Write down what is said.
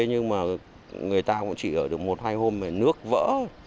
nhưng mà người ta cũng chỉ ở được một hai hôm về nước vỡ